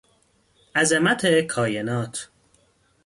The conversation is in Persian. عظمت کاینات